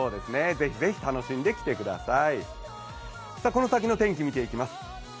ぜひぜひ楽しんできてください。